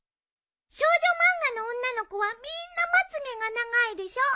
少女漫画の女の子はみんなまつげが長いでしょ？